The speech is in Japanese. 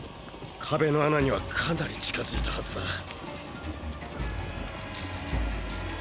壁の穴にはかなり近づいたはずだ。